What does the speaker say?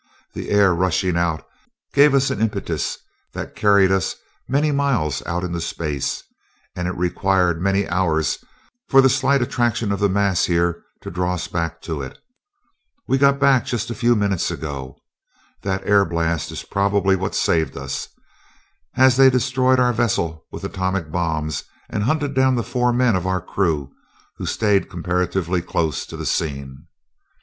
The air rushing out gave us an impetus that carried us many miles out into space, and it required many hours for the slight attraction of the mass here to draw us back to it. We just got back a few minutes ago. That air blast is probably what saved us, as they destroyed our vessel with atomic bombs and hunted down the four men of our crew, who stayed comparatively close to the scene.